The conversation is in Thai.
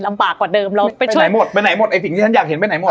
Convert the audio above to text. กว่าเดิมเราไปไหนหมดไปไหนหมดไอ้สิ่งที่ฉันอยากเห็นไปไหนหมด